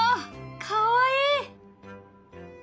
かわいい。